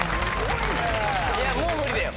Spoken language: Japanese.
いやもう無理だよ。